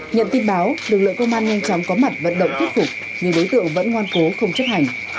nhận tin báo lực lượng công an nhanh chóng có mặt vận động thuyết phục nhưng đối tượng vẫn ngoan cố không chấp hành